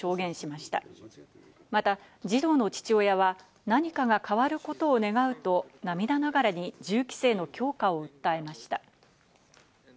また児童の父親は、何かが変わることを願うと涙ながらに銃規制の強化を訴えました。